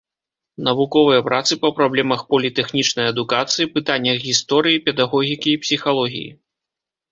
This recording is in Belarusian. Навуковыя працы па праблемах політэхнічнай адукацыі, пытаннях гісторыі педагогікі і псіхалогіі.